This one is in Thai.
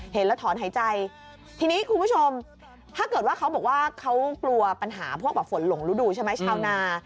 เห็นแล้วถอนหายใจทีนี้คุณผู้ชมถ้าเกิดว่าเขาบอกว่าเขากลัวปัญหาพวกแบบฝนหลงฤดูใช่ไหมชาวนา